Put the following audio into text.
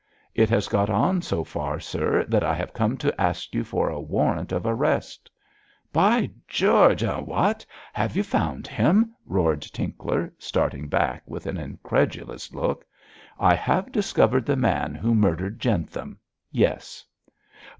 'It has got on so far, sir, that I have come to ask you for a warrant of arrest.' 'By George! eh! what! Have you found him?' roared Tinkler, starting back with an incredulous look. 'I have discovered the man who murdered Jentham! Yes.'